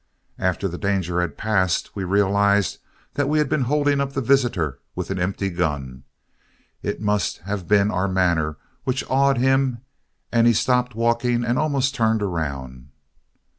After the danger had passed we realized that we had been holding up the visitor with an empty gun. It must have been our manner which awed him and he stopped walking and almost turned around.